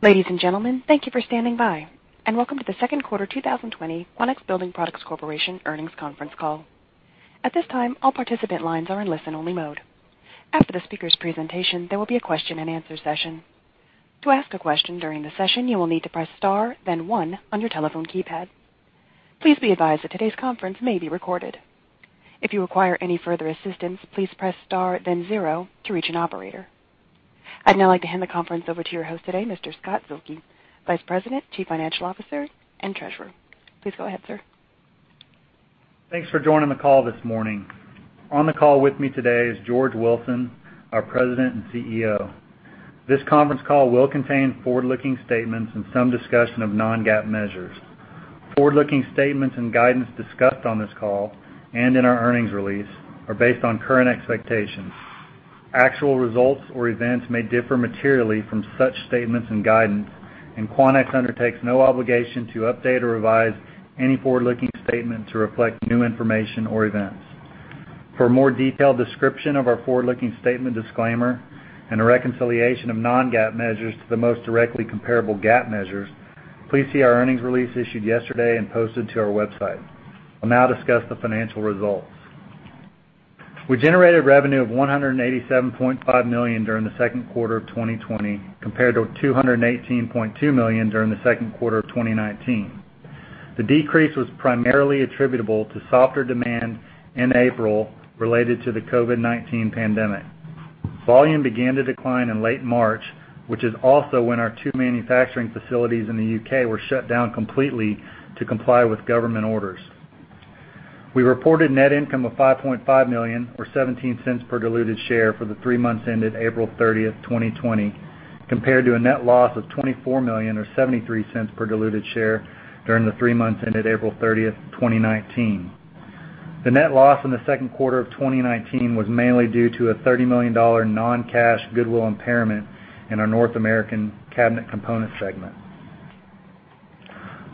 Ladies and gentlemen, thank you for standing by, and welcome to the Q2 2020 Quanex Building Products Corporation Earnings Conference Call. At this time, all participant lines are in listen-only mode. After the speakers' presentation, there will be a question and answer session. To ask a question during the session, you will need to press star then one on your telephone keypad. Please be advised that today's conference may be recorded. If you require any further assistance, please press star then zero to reach an operator. I'd now like to hand the conference over to your host today, Mr. Scott Zuehlke, Vice President, Chief Financial Officer, and Treasurer. Please go ahead, sir. Thanks for joining the call this morning. On the call with me today is George Wilson, our President and CEO. This conference call will contain forward-looking statements and some discussion of non-GAAP measures. Forward-looking statements and guidance discussed on this call and in our earnings release are based on current expectations. Actual results or events may differ materially from such statements and guidance, and Quanex undertakes no obligation to update or revise any forward-looking statement to reflect new information or events. For a more detailed description of our forward-looking statement disclaimer and a reconciliation of non-GAAP measures to the most directly comparable GAAP measures, please see our earnings release issued yesterday and posted to our website. I'll now discuss the financial results. We generated revenue of $187.5 million during the Q2 of 2020, compared to $218.2 million during the Q2 of 2019. The decrease was primarily attributable to softer demand in April related to the COVID-19 pandemic. Volume began to decline in late March, which is also when our two manufacturing facilities in the U.K. were shut down completely to comply with government orders. We reported net income of $5.5 million or $0.17 per diluted share for the three months ended April 30th, 2020, compared to a net loss of $24 million or $0.73 per diluted share during the three months ended April 30th, 2019. The net loss in the Q2 of 2019 was mainly due to a $30 million non-cash goodwill impairment in our North American Cabinet Component segment.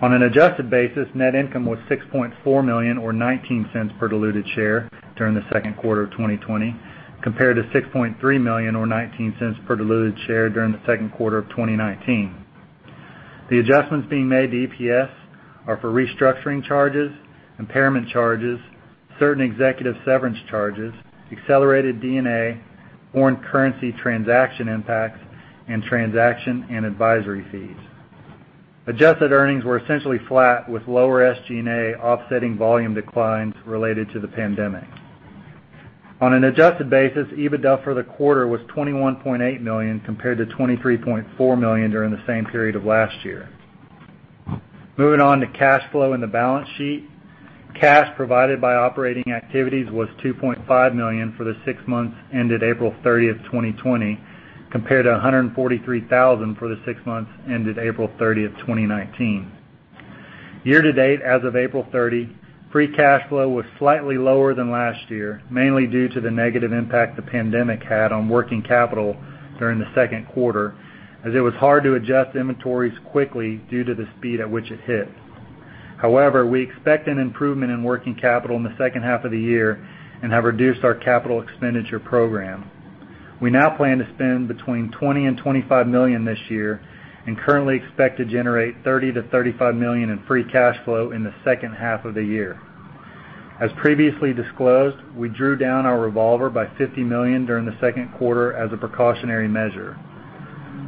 On an adjusted basis, net income was $6.4 million or $0.19 per diluted share during the Q2 of 2020, compared to $6.3 million or $0.19 per diluted share during the Q2 of 2019. The adjustments being made to EPS are for restructuring charges, impairment charges, certain executive severance charges, accelerated D&A, foreign currency transaction impacts, and transaction and advisory fees. Adjusted earnings were essentially flat with lower SG&A offsetting volume declines related to the pandemic. On an adjusted basis, EBITDA for the quarter was $21.8 million, compared to $23.4 million during the same period of last year. Moving on to cash flow and the balance sheet. Cash provided by operating activities was $2.5 million for the six months ended April 30, 2020, compared to $143,000 for the six months ended April 30, 2019. Year to date as of April 30, free cash flow was slightly lower than last year, mainly due to the negative impact the pandemic had on working capital during the Q2, as it was hard to adjust inventories quickly due to the speed at which it hit. However, we expect an improvement in working capital in the H2 of the year and have reduced our capital expenditure program. We now plan to spend between $20 million and $25 million this year and currently expect to generate $30 million to $35 million in free cash flow in the H2 of the year. As previously disclosed, we drew down our revolver by $50 million during the Q2 as a precautionary measure.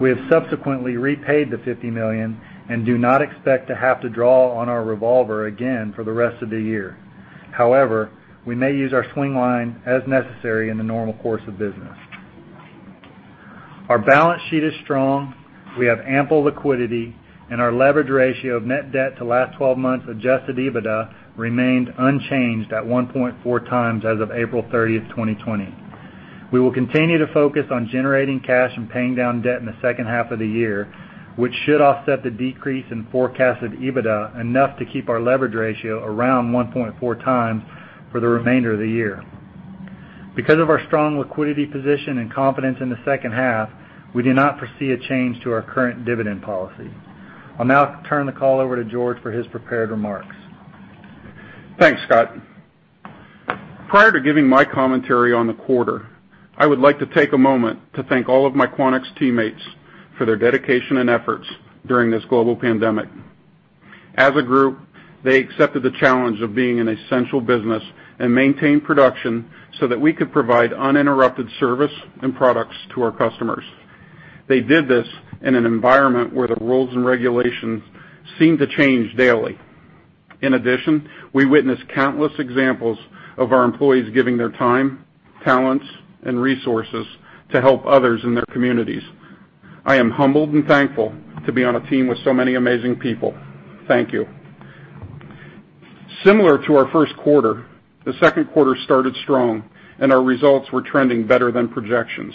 We have subsequently repaid the $50 million and do not expect to have to draw on our revolver again for the rest of the year. However, we may use our swing line as necessary in the normal course of business. Our balance sheet is strong, we have ample liquidity, and our leverage ratio of net debt to last 12 months Adjusted EBITDA remained unchanged at 1.4x as of April 30th, 2020. We will continue to focus on generating cash and paying down debt in the H2 of the year, which should offset the decrease in forecasted EBITDA enough to keep our leverage ratio around 1.4x for the remainder of the year. Because of our strong liquidity position and confidence in the H2, we do not foresee a change to our current dividend policy. I'll now turn the call over to George for his prepared remarks. Thanks, Scott. Prior to giving my commentary on the quarter, I would like to take a moment to thank all of my Quanex teammates for their dedication and efforts during this global pandemic. As a group, they accepted the challenge of being an essential business and maintained production so that we could provide uninterrupted service and products to our customers. They did this in an environment where the rules and regulations seemed to change daily. In addition, we witnessed countless examples of our employees giving their time, talents, and resources to help others in their communities. I am humbled and thankful to be on a team with so many amazing people. Thank you. Similar to our Q1, the Q2 started strong and our results were trending better than projections.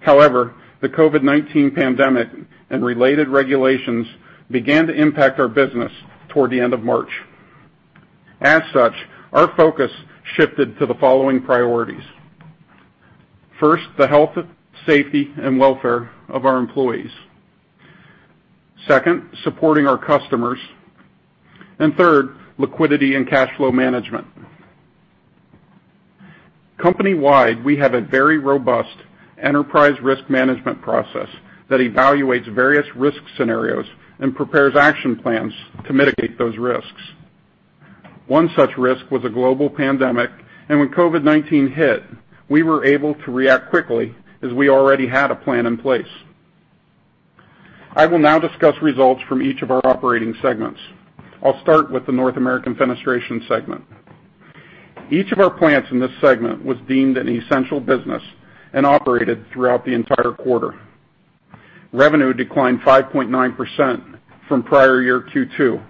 However, the COVID-19 pandemic and related regulations began to impact our business toward the end of March. As such, our focus shifted to the following priorities. First, the health, safety, and welfare of our employees. Second, supporting our customers. Third, liquidity and cash flow management. Company-wide, we have a very robust enterprise risk management process that evaluates various risk scenarios and prepares action plans to mitigate those risks. One such risk was a global pandemic, and when COVID-19 hit, we were able to react quickly as we already had a plan in place. I will now discuss results from each of our operating segments. I'll start with the North American Fenestration segment. Each of our plants in this segment was deemed an essential business and operated throughout the entire quarter. Revenue declined 5.9% from prior year Q2.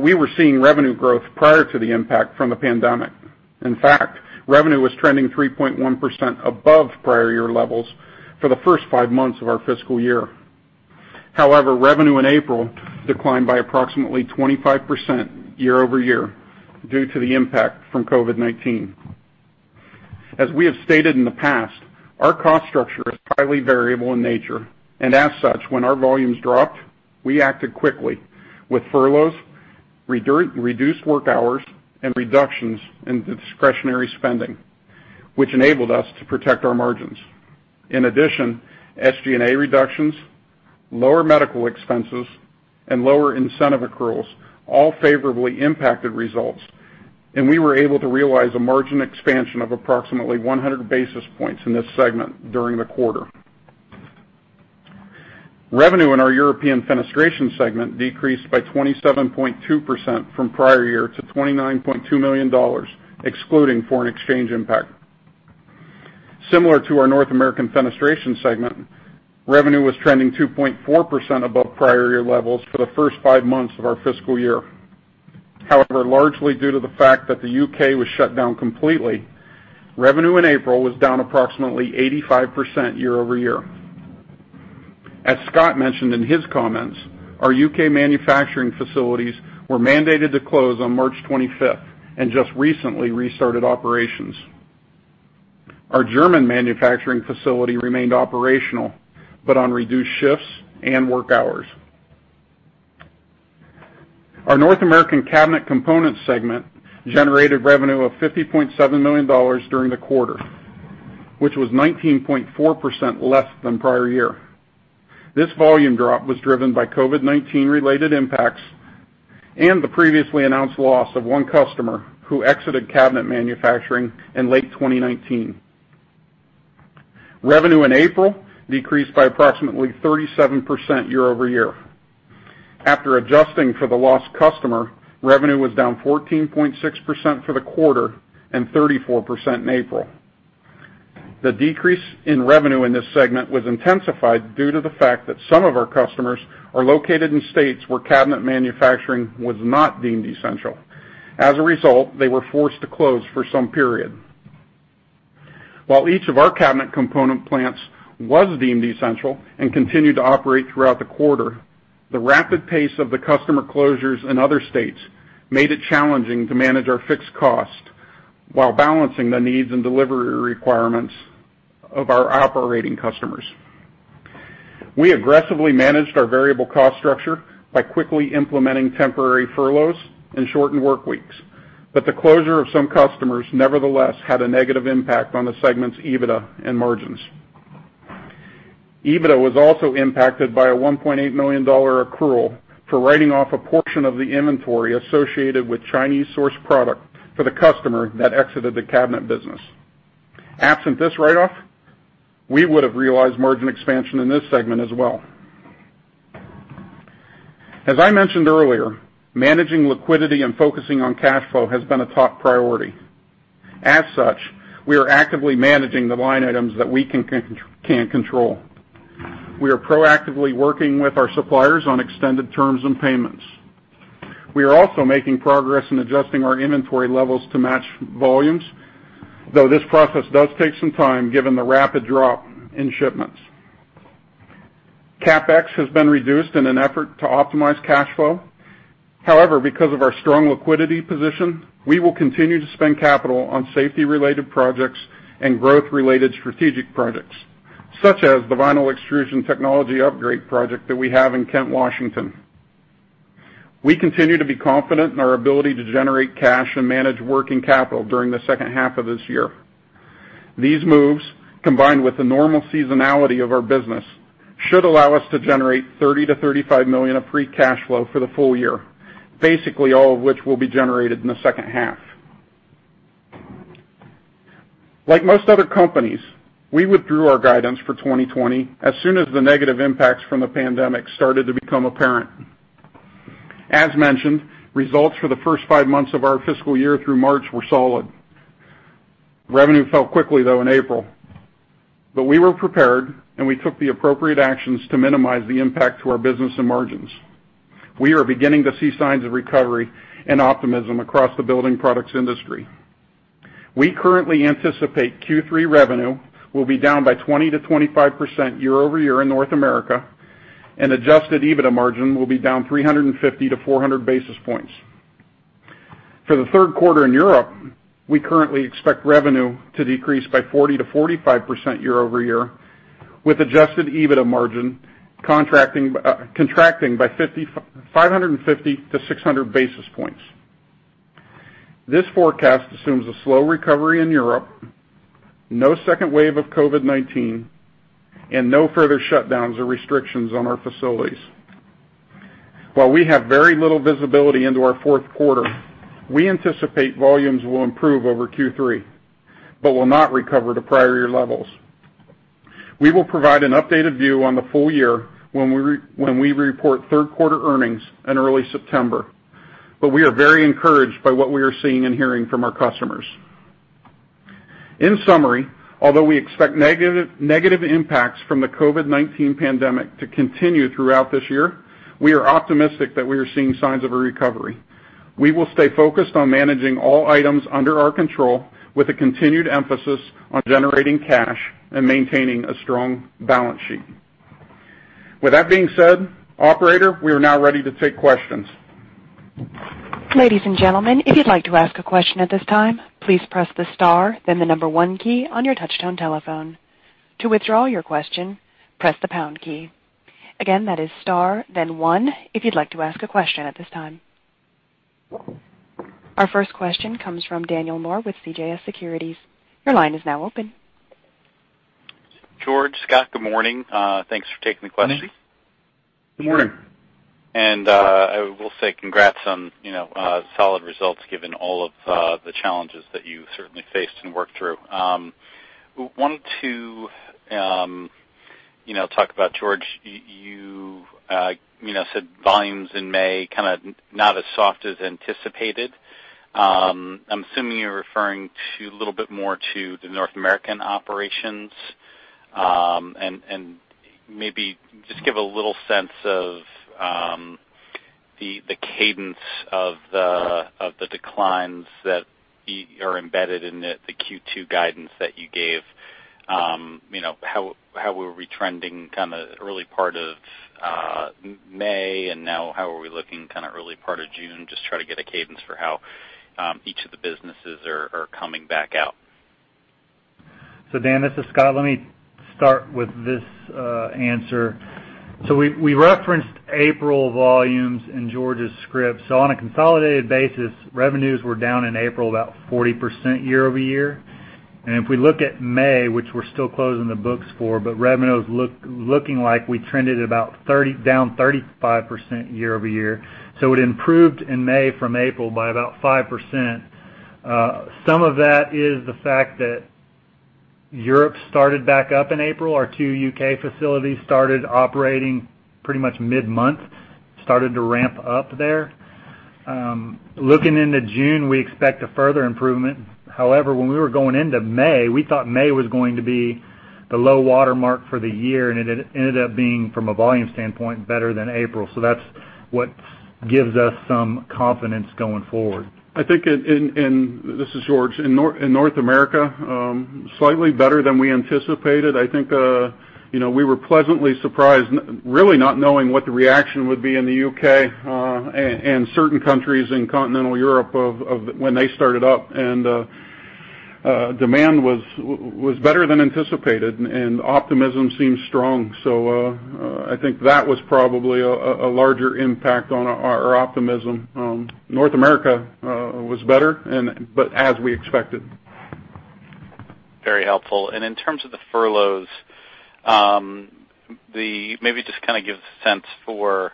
We were seeing revenue growth prior to the impact from the pandemic. In fact, revenue was trending 3.1% above prior year levels for the first five months of our fiscal year. However, revenue in April declined by approximately 25% year-over-year due to the impact from COVID-19. As we have stated in the past, our cost structure is highly variable in nature, and as such, when our volumes dropped, we acted quickly with furloughs, reduced work hours, and reductions in discretionary spending, which enabled us to protect our margins. In addition, SG&A reductions, lower medical expenses, and lower incentive accruals all favorably impacted results, and we were able to realize a margin expansion of approximately 100 basis points in this segment during the quarter. Revenue in our European Fenestration segment decreased by 27.2% from prior year to $29.2 million, excluding foreign exchange impact. Similar to our North American Fenestration segment, revenue was trending 2.4% above prior year levels for the first five months of our fiscal year. However, largely due to the fact that the U.K. was shut down completely, revenue in April was down approximately 85% year-over-year. As Scott mentioned in his comments, our U.K. manufacturing facilities were mandated to close on March 25th and just recently restarted operations. Our German manufacturing facility remained operational, but on reduced shifts and work hours. Our North American Cabinet Components segment generated revenue of $50.7 million during the quarter, which was 19.4% less than prior year. This volume drop was driven by COVID-19 related impacts and the previously announced loss of one customer who exited cabinet manufacturing in late 2019. Revenue in April decreased by approximately 37% year-over-year. After adjusting for the lost customer, revenue was down 14.6% for the quarter and 34% in April. The decrease in revenue in this segment was intensified due to the fact that some of our customers are located in states where cabinet manufacturing was not deemed essential. As a result, they were forced to close for some period. While each of our cabinet component plants was deemed essential and continued to operate throughout the quarter, the rapid pace of the customer closures in other states made it challenging to manage our fixed cost while balancing the needs and delivery requirements of our operating customers. We aggressively managed our variable cost structure by quickly implementing temporary furloughs and shortened work weeks. The closure of some customers nevertheless had a negative impact on the segment's EBITDA and margins. EBITDA was also impacted by a $1.8 million accrual for writing off a portion of the inventory associated with Chinese source product for the customer that exited the cabinet business. Absent this write-off, we would have realized margin expansion in this segment as well. As I mentioned earlier, managing liquidity and focusing on cash flow has been a top priority. As such, we are actively managing the line items that we can control. We are proactively working with our suppliers on extended terms and payments. We are also making progress in adjusting our inventory levels to match volumes, though this process does take some time, given the rapid drop in shipments. CapEx has been reduced in an effort to optimize cash flow. However, because of our strong liquidity position, we will continue to spend capital on safety-related projects and growth-related strategic projects, such as the vinyl extrusion technology upgrade project that we have in Kent, Washington. We continue to be confident in our ability to generate cash and manage working capital during the H2 of this year. These moves, combined with the normal seasonality of our business, should allow us to generate $30 million-$35 million of free cash flow for the full year, basically all of which will be generated in the H2. Like most other companies, we withdrew our guidance for 2020 as soon as the negative impacts from the pandemic started to become apparent. As mentioned, results for the first five months of our fiscal year through March were solid. Revenue fell quickly, though, in April. We were prepared, and we took the appropriate actions to minimize the impact to our business and margins. We are beginning to see signs of recovery and optimism across the building products industry. We currently anticipate Q3 revenue will be down by 20%-25% year-over-year in North America, and Adjusted EBITDA margin will be down 350-400 basis points. For the third quarter in Europe, we currently expect revenue to decrease by 40%-45% year-over-year, with Adjusted EBITDA margin contracting by 550-600 basis points. This forecast assumes a slow recovery in Europe, no second wave of COVID-19, and no further shutdowns or restrictions on our facilities. We have very little visibility into our Q4, we anticipate volumes will improve over Q3 but will not recover to prior year levels. We will provide an updated view on the full year when we report third quarter earnings in early September, but we are very encouraged by what we are seeing and hearing from our customers. In summary, although we expect negative impacts from the COVID-19 pandemic to continue throughout this year, we are optimistic that we are seeing signs of a recovery. We will stay focused on managing all items under our control with a continued emphasis on generating cash and maintaining a strong balance sheet. With that being said, operator, we are now ready to take questions. Ladies and gentlemen, if you'd like to ask a question at this time, please press the star then the number one key on your touchtone telephone. To withdraw your question, press the pound key. Again, that is star then one if you'd like to ask a question at this time. Our first question comes from Daniel Moore with CJS Securities. Your line is now open. George, Scott, good morning. Thanks for taking the question. Good morning. I will say congrats on solid results given all of the challenges that you certainly faced and worked through. Wanted to talk about, George, you said volumes in May kind of not as soft as anticipated. I'm assuming you're referring a little bit more to the North American operations, and maybe just give a little sense of the cadence of the declines that are embedded in the Q2 guidance that you gave. How were we trending early part of May, and now how are we looking early part of June? Just try to get a cadence for how each of the businesses are coming back out. Dan, this is Scott. Let me start with this answer. We referenced April volumes in George's script. On a consolidated basis, revenues were down in April about 40% year-over-year. If we look at May, which we're still closing the books for, but revenues looking like we trended about down 35% year-over-year. It improved in May from April by about 5%. Some of that is the fact that Europe started back up in April. Our two U.K. facilities started operating pretty much mid-month, started to ramp up there. Looking into June, we expect a further improvement. However, when we were going into May, we thought May was going to be the low water mark for the year, and it ended up being, from a volume standpoint, better than April. That's what gives us some confidence going forward. This is George. In North America, slightly better than we anticipated. I think we were pleasantly surprised, really not knowing what the reaction would be in the U.K. and certain countries in continental Europe when they started up, and demand was better than anticipated, and optimism seemed strong. I think that was probably a larger impact on our optimism. North America was better, but as we expected. Very helpful. In terms of the furloughs, maybe just kind of give a sense for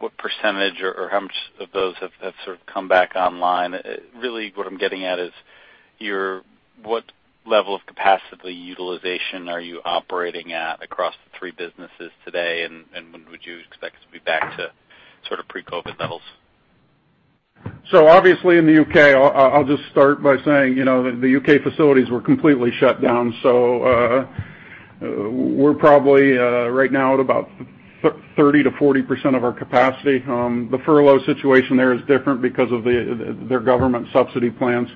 what percentage or how much of those have sort of come back online. Really what I'm getting at is what level of capacity utilization are you operating at across the three businesses today, and when would you expect to be back to sort of pre-COVID levels? Obviously in the U.K., I'll just start by saying, the U.K. facilities were completely shut down. We're probably right now at about 30%-40% of our capacity. The furlough situation there is different because of their government subsidy plans.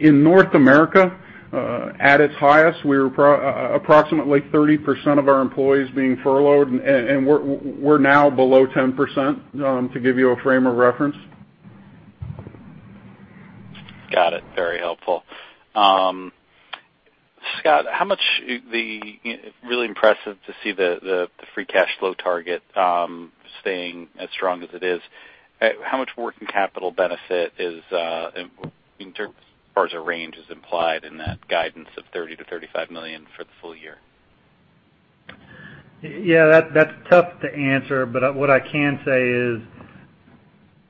In North America, at its highest, we were approximately 30% of our employees being furloughed, and we're now below 10%, to give you a frame of reference. Got it. Very helpful. Scott, really impressive to see the free cash flow target staying as strong as it is. How much working capital benefit is, in terms as far as a range, is implied in that guidance of $30 million-$35 million for the full year? Yeah, that's tough to answer. What I can say is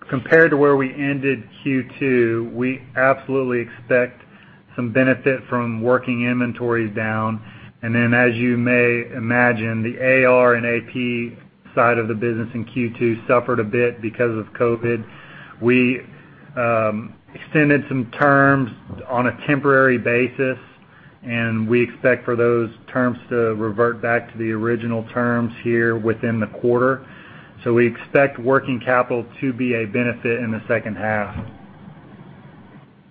compared to where we ended Q2, we absolutely expect some benefit from working inventories down. As you may imagine, the AR and AP side of the business in Q2 suffered a bit because of COVID. We extended some terms on a temporary basis, and we expect for those terms to revert back to the original terms here within the quarter. We expect working capital to be a benefit in the H2.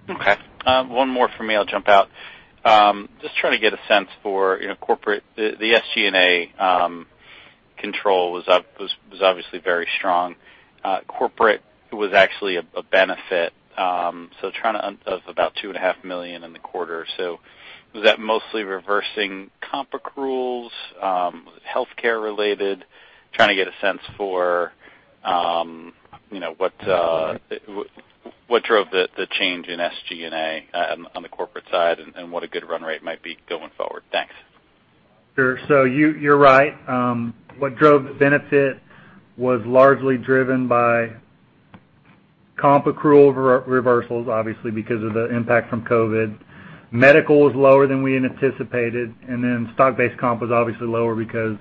Okay. One more from me, I'll jump out. Just trying to get a sense for corporate, the SG&A control was obviously very strong. Corporate was actually a benefit, of about $2.5 million in the quarter. Was that mostly reversing comp accruals? Was it healthcare related? Trying to get a sense for what drove the change in SG&A on the corporate side and what a good run rate might be going forward. Thanks. Sure. You're right. What drove the benefit was largely driven by comp accrual reversals, obviously because of the impact from COVID-19. Medical was lower than we had anticipated, and then stock-based comp was obviously lower because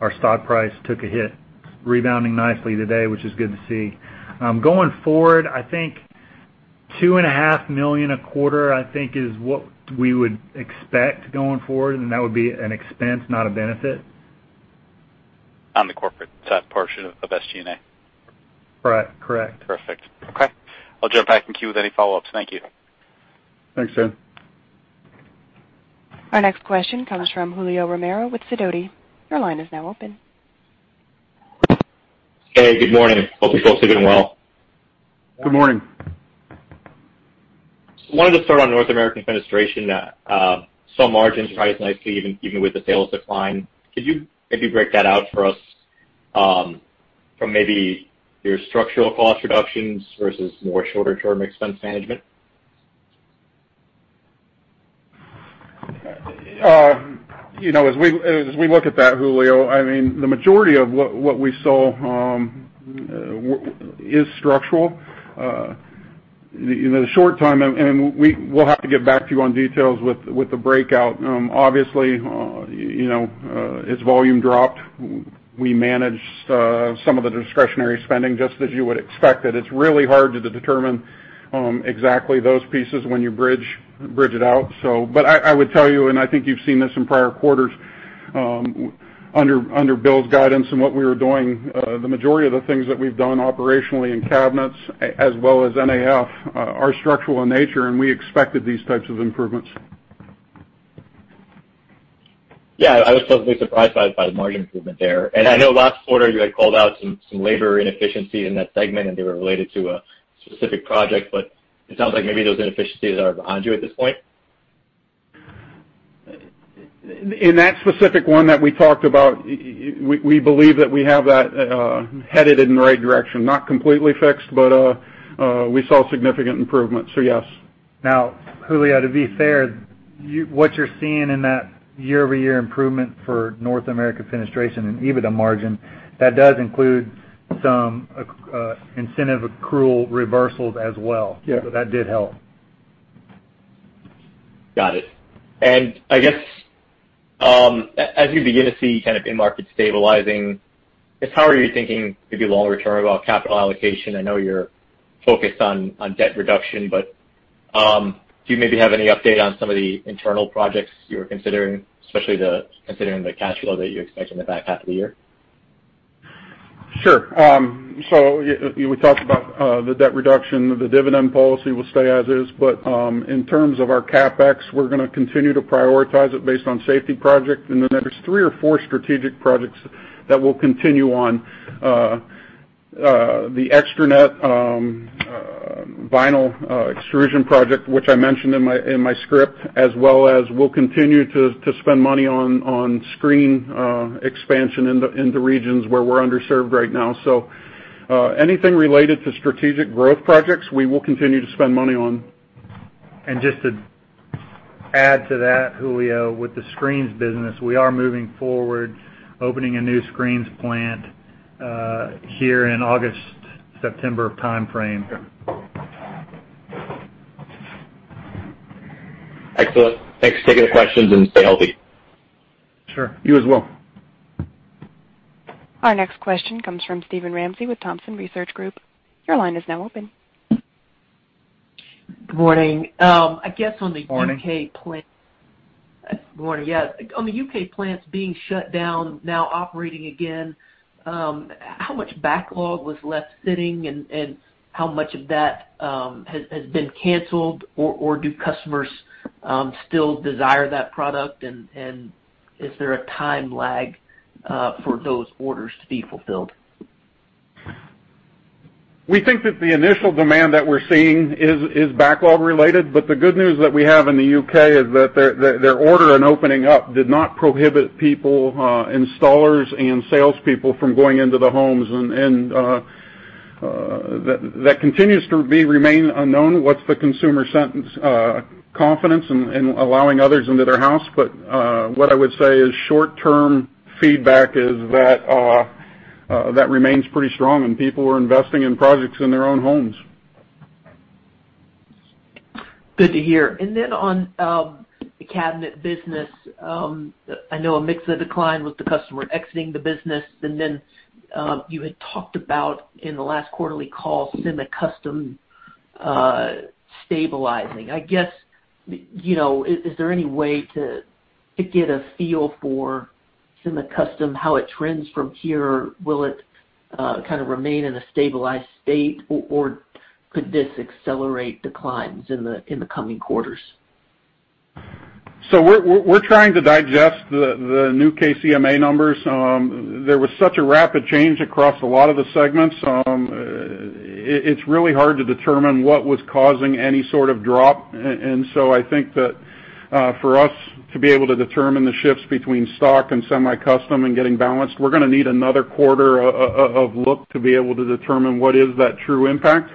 our stock price took a hit. It's rebounding nicely today, which is good to see. Going forward, I think $2.5 million a quarter, I think is what we would expect going forward, and that would be an expense, not a benefit. On the corporate side portion of the SG&A? Right. Correct. Perfect. Okay. I'll jump back in queue with any follow-ups. Thank you. Thanks, Dan. Our next question comes from Julio Romero with Sidoti. Your line is now open. Hey, good morning. Hope you folks are doing well. Good morning. Wanted to start on North American Fenestration. Saw margins rise nicely even with the sales decline. Could you maybe break that out for us from maybe your structural cost reductions versus more shorter-term expense management? As we look at that, Julio, the majority of what we saw is structural. In the short time, we'll have to get back to you on details with the breakout. Obviously, as volume dropped, we managed some of the discretionary spending, just as you would expect. That it's really hard to determine exactly those pieces when you bridge it out. I would tell you, and I think you've seen this in prior quarters, under Bill's guidance and what we were doing, the majority of the things that we've done operationally in cabinets, as well as NAF, are structural in nature, and we expected these types of improvements. Yeah, I was pleasantly surprised by the margin improvement there. I know last quarter you had called out some labor inefficiency in that segment, and they were related to a specific project, but it sounds like maybe those inefficiencies are behind you at this point? In that specific one that we talked about, we believe that we have that headed in the right direction. Not completely fixed, but we saw significant improvement, so yes. Now, Julio, to be fair, what you're seeing in that year-over-year improvement for North American Fenestration and EBITDA margin, that does include some incentive accrual reversals as well. Yeah. That did help. Got it. I guess, as you begin to see end market stabilizing, just how are you thinking maybe longer term about capital allocation? I know you're focused on debt reduction, do you maybe have any update on some of the internal projects you were considering, especially considering the cash flow that you expect in the back half of the year? Sure. We talked about the debt reduction. The dividend policy will stay as is. In terms of our CapEx, we're going to continue to prioritize it based on safety projects. There's three or four strategic projects that we'll continue on. The extruded vinyl extrusion project, which I mentioned in my script, as well as we'll continue to spend money on screen expansion in the regions where we're underserved right now. Anything related to strategic growth projects, we will continue to spend money on. Just to add to that, Julio, with the screens business, we are moving forward, opening a new screens plant here in August, September timeframe. Excellent. Thanks for taking the questions, and stay healthy. Sure. You as well. Our next question comes from Steven Ramsey with Thompson Research Group. Your line is now open. Good morning. Good morning. Good morning. On the U.K. plants being shut down, now operating again, how much backlog was left sitting and how much of that has been canceled, or do customers still desire that product, and is there a time lag for those orders to be fulfilled? We think that the initial demand that we're seeing is backlog related. The good news that we have in the U.K. is that their order and opening up did not prohibit people, installers, and salespeople from going into the homes, and that continues to remain unknown. What's the consumer confidence in allowing others into their house? What I would say is short-term feedback is that remains pretty strong, and people are investing in projects in their own homes. Good to hear. On the cabinet business, I know a mix of decline with the customer exiting the business, then you had talked about in the last quarterly call, semi-custom stabilizing. I guess, is there any way to get a feel for semi-custom, how it trends from here? Will it kind of remain in a stabilized state, or could this accelerate declines in the coming quarters? We're trying to digest the new KCMA numbers. There was such a rapid change across a lot of the segments. It's really hard to determine what was causing any sort of drop. I think that for us to be able to determine the shifts between stock and semi-custom and getting balanced, we're going to need another quarter of look to be able to determine what is that true impact.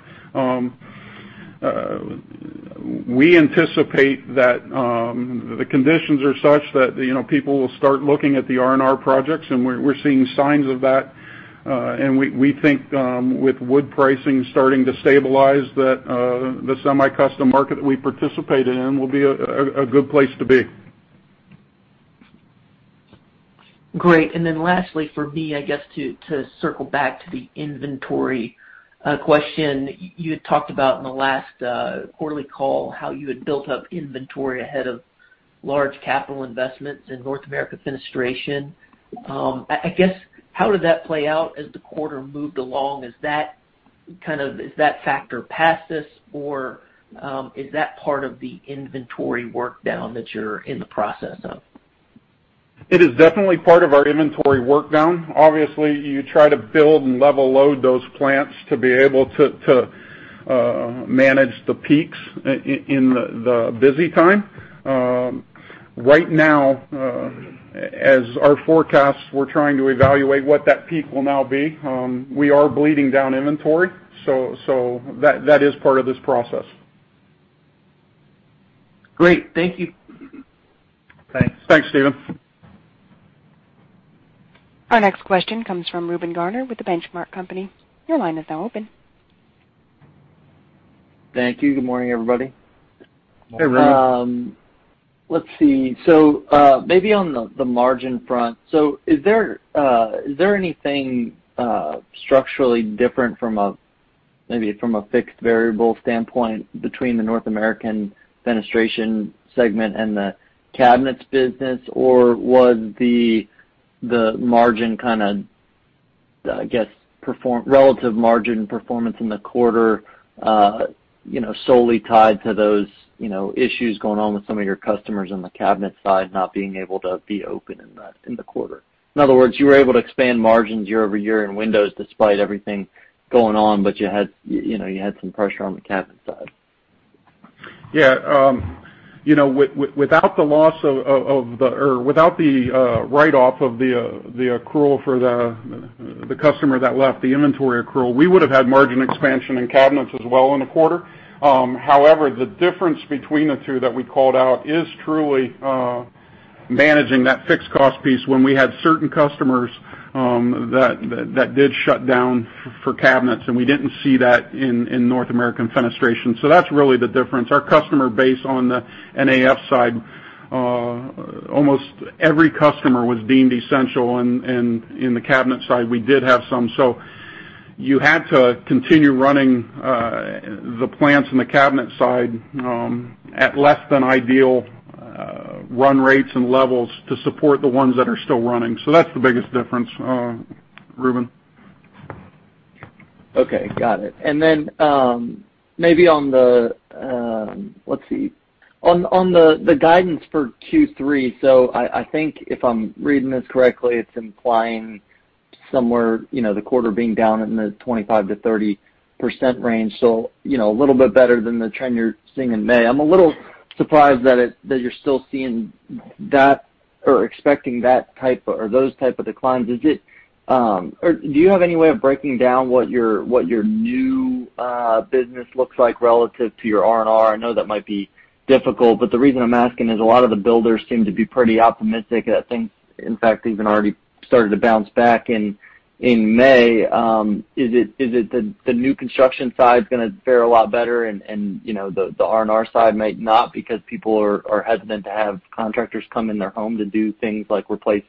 We anticipate that the conditions are such that people will start looking at the R&R projects, and we're seeing signs of that. We think with wood pricing starting to stabilize, that the semi-custom market we participate in will be a good place to be. Lastly for me, I guess to circle back to the inventory question. You had talked about in the last quarterly call how you had built up inventory ahead of large capital investments in North American Fenestration. I guess, how did that play out as the quarter moved along? Is that factor past this, or is that part of the inventory work down that you're in the process of? It is definitely part of our inventory work down. Obviously, you try to build and level load those plants to be able to manage the peaks in the busy time. Right now as our forecasts, we're trying to evaluate what that peak will now be. We are bleeding down inventory, that is part of this process. Great. Thank you. Thanks. Thanks, Steven. Our next question comes from Reuben Garner with The Benchmark Company. Your line is now open. Thank you. Good morning, everybody. Hey, Reuben. Let's see. Maybe on the margin front. Is there anything structurally different from a fixed variable standpoint between the North American Fenestration segment and the cabinets business, or was the margin, I guess, relative margin performance in the quarter solely tied to those issues going on with some of your customers on the cabinet side not being able to be open in the quarter? In other words, you were able to expand margins year-over-year in windows despite everything going on, but you had some pressure on the cabinet side. Yeah. Without the write-off of the accrual for the customer that left the inventory accrual, we would've had margin expansion in cabinets as well in the quarter. However, the difference between the two that we called out is truly managing that fixed cost piece when we had certain customers that did shut down for cabinets, and we didn't see that in North American Fenestration. That's really the difference. Our customer base on the NAF side, almost every customer was deemed essential, and in the cabinet side, we did have some. You had to continue running the plants on the cabinet side at less than ideal run rates and levels to support the ones that are still running. That's the biggest difference, Reuben. Okay, got it. Let's see. On the guidance for Q3, so I think if I'm reading this correctly, it's implying somewhere, the quarter being down in the 25%-30% range. A little bit better than the trend you're seeing in May. I'm a little surprised that you're still seeing that or expecting those type of declines. Do you have any way of breaking down what your new business looks like relative to your R&R? I know that might be difficult, but the reason I'm asking is a lot of the builders seem to be pretty optimistic that things, in fact, even already started to bounce back in May. Is it the new construction side's going to fare a lot better and the R&R side might not because people are hesitant to have contractors come in their home to do things like replace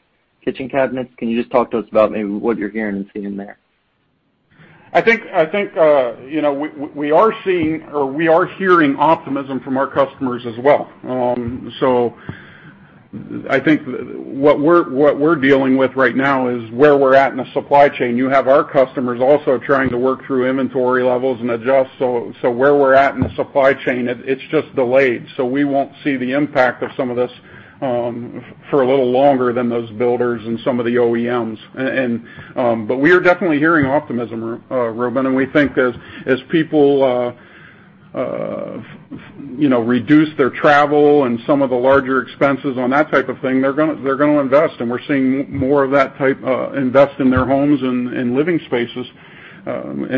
kitchen cabinets? Can you just talk to us about maybe what you're hearing and seeing there? I think we are seeing, or we are hearing optimism from our customers as well. I think what we're dealing with right now is where we're at in the supply chain. You have our customers also trying to work through inventory levels and adjust. Where we're at in the supply chain, it's just delayed. We won't see the impact of some of this for a little longer than those builders and some of the OEMs. We are definitely hearing optimism, Reuben, and we think as people reduce their travel and some of the larger expenses on that type of thing, they're going to invest, and we're seeing more of that type invest in their homes and living spaces.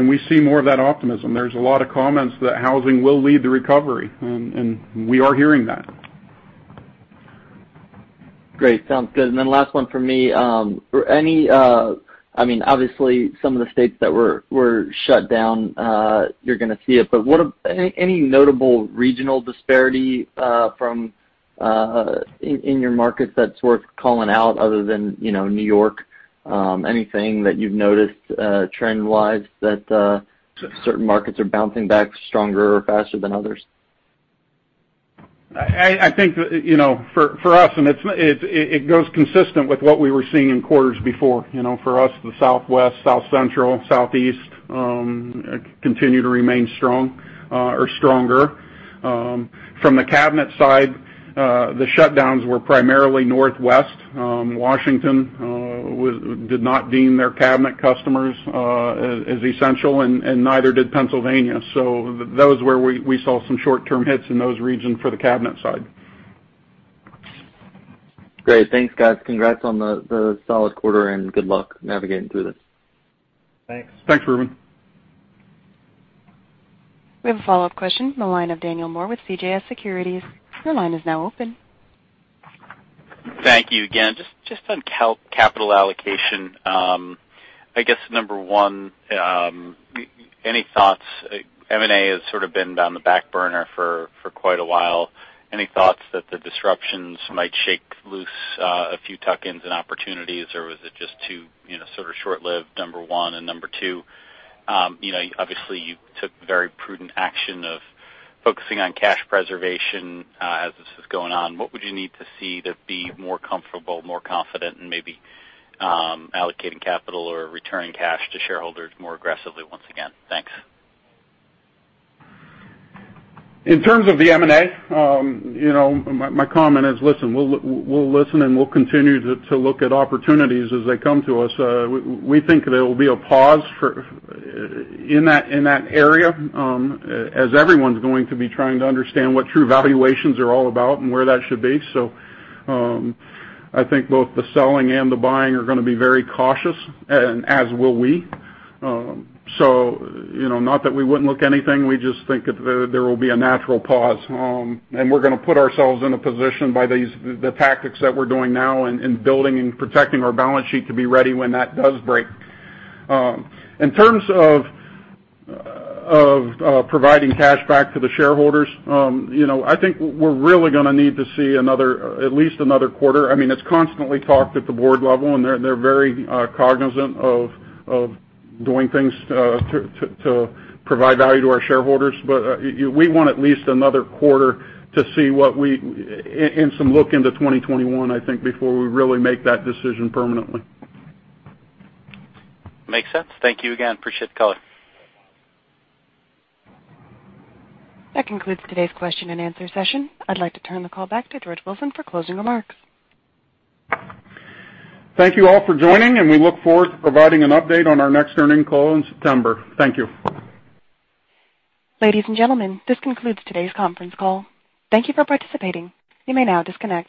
We see more of that optimism. There's a lot of comments that housing will lead the recovery, and we are hearing that. Great. Sounds good. Last one for me. Obviously, some of the states that were shut down, you're going to see it, but any notable regional disparity in your markets that's worth calling out other than New York? Anything that you've noticed trend-wise that certain markets are bouncing back stronger or faster than others? I think that for us, it goes consistent with what we were seeing in quarters before. For us, the Southwest, South Central, Southeast continue to remain strong or stronger. From the cabinet side, the shutdowns were primarily Northwest, Washington did not deem their cabinet customers as essential, and neither did Pennsylvania. That was where we saw some short-term hits in those regions for the cabinet side. Great. Thanks, guys. Congrats on the solid quarter and good luck navigating through this. Thanks, Reuben. We have a follow-up question in the line of Daniel Moore with CJS Securities. Your line is now open. Thank you again. Just on capital allocation. I guess number one, any thoughts, M&A has sort of been down the back burner for quite a while. Any thoughts that the disruptions might shake loose a few tuck-ins and opportunities, or was it just too sort of short-lived, number one? Number two, obviously you took very prudent action of focusing on cash preservation as this is going on. What would you need to see to be more comfortable, more confident in maybe allocating capital or returning cash to shareholders more aggressively once again? Thanks. In terms of the M&A, my comment is, listen, we'll listen, and we'll continue to look at opportunities as they come to us. We think there will be a pause in that area, as everyone's going to be trying to understand what true valuations are all about and where that should be. I think both the selling and the buying are going to be very cautious, as will we. Not that we wouldn't look anything, we just think that there will be a natural pause. We're going to put ourselves in a position by the tactics that we're doing now and building and protecting our balance sheet to be ready when that does break. In terms of providing cash back to the shareholders, I think we're really going to need to see at least another quarter. It's constantly talked at the board level, and they're very cognizant of doing things to provide value to our shareholders. We want at least another quarter and some look into 2021, I think, before we really make that decision permanently. Makes sense. Thank you again. Appreciate the color. That concludes today's question and answer session. I'd like to turn the call back to George Wilson for closing remarks. Thank you all for joining, and we look forward to providing an update on our next earnings call in September. Thank you. Ladies and gentlemen, this concludes today's conference call. Thank you for participating. You may now disconnect.